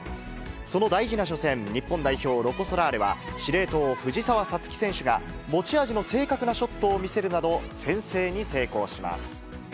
その大事な初戦、日本代表、ロコ・ソラーレは、司令塔、藤澤五月選手が、持ち味の正確なショットを見せるなど、先制に成功します。